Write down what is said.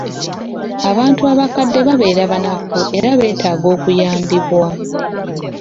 Abantu abakadde babeera banafu era beetaaga okuyambibwa.